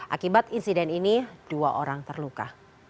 akibat insiden ini dua orang terluka